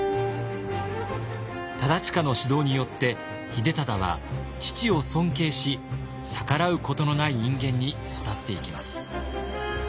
忠隣の指導によって秀忠は父を尊敬し逆らうことのない人間に育っていきます。